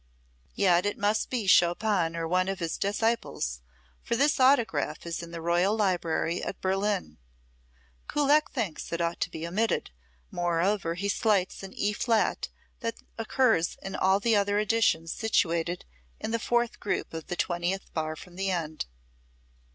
Yet it must be Chopin or one of his disciples, for this autograph is in the Royal Library at Berlin. Kullak thinks it ought to be omitted, moreover he slights an E flat, that occurs in all the other editions situated in the fourth group of the twentieth bar from the end.